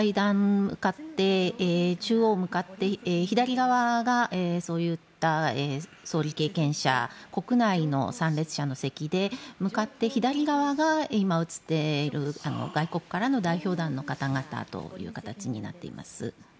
中央向かって左側がそういった総理経験者国内の参列者の席で向かって左側が今、映っている外国からの代表団の方々という形になっています。